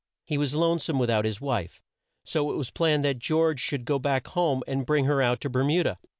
He was lone some with out his wife, so it was planned that George should go back home and bring her out to Ber mu da.